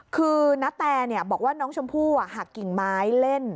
คือณแตบอกว่าน้องชมพู่หักกิ่งไม้เล่น